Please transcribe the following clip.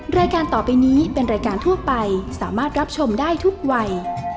รายการต่อไปนี้เป็นรายการทั่วไปสามารถรับชมได้ทุกวัย